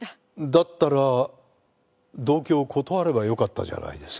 だったら同居を断ればよかったじゃないですか。